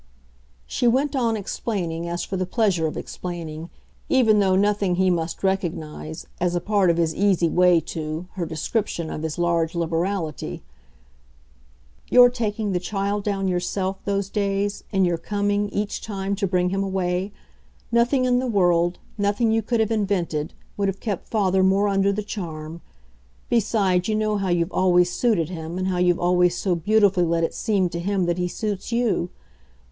She went on explaining as for the pleasure of explaining even though knowing he must recognise, as a part of his easy way too, her description of his large liberality. "Your taking the child down yourself, those days, and your coming, each time, to bring him away nothing in the world, nothing you could have invented, would have kept father more under the charm. Besides, you know how you've always suited him, and how you've always so beautifully let it seem to him that he suits you.